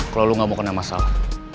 kalau lu gak mau kena masalah